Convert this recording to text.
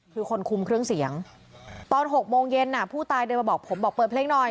คือคนคุมเครื่องเสียงตอน๖โมงเย็นผู้ตายเดินมาบอกผมบอกเปิดเพลงหน่อย